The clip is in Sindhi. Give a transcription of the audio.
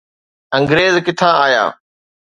انگريز ڪٿان آيا؟